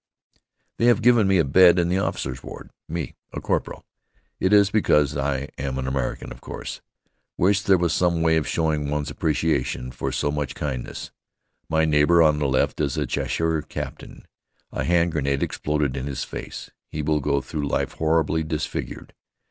They have given me a bed in the officers' ward me, a corporal. It is because I am an American, of course. Wish there was some way of showing one's appreciation for so much kindness. My neighbor on the left is a chasseur captain. A hand grenade exploded in his face. He will go through life horribly disfigured.